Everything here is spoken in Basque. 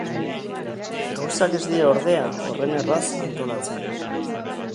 Gauzak ez dira ordea horren erraz antolatzen.